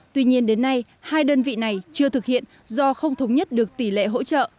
tuy nhiên đến nay hai đơn vị này chưa thực hiện do không thống nhất được tỷ lệ hỗ trợ